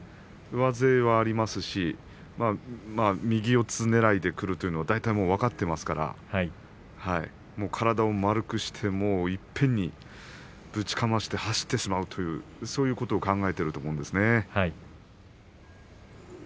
上背はありますし右四つねらいでくるというのは大体分かっていますから体を丸くしていっぺんにぶちかまして走ってしまうというそういうことを考えると思うんですね。